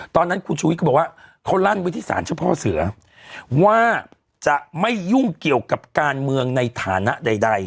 ตอนนั้นคุณชูวิทย์ก็บอกว่าเขาลั่นไว้ที่สารเจ้าพ่อเสือว่าจะไม่ยุ่งเกี่ยวกับการเมืองในฐานะใด